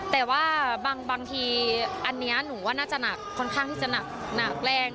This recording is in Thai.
แต่ว่าบางทีอันนี้หนูว่าน่าจะหนักค่อนข้างที่จะหนักแรง